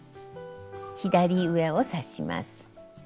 左上を刺します。